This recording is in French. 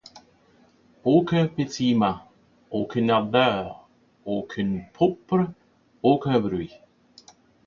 Aucun pétillement, aucune ardeur, aucune pourpre, aucun bruit.